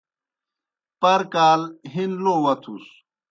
پر کال ہِن لو وتُھس۔